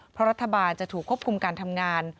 เพราะรัฐบาลจะถูกควบคุมการทำงาน